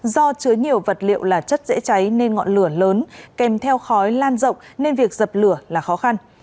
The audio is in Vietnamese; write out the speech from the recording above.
do chứa nhiều vật liệu là chất dễ cháy nên ngọn lửa lớn kèm theo khói lan rộng nên việc dập lửa là khó khăn